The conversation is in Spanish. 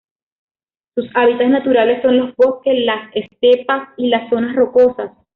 Sus hábitats naturales son los bosques, las estepas y las zonas rocosas.